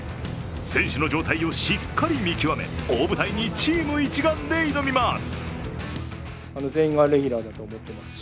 選手の状態をしっかり見極め大舞台にチーム一丸で挑みます。